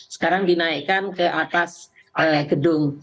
sekarang dinaikkan ke atas gedung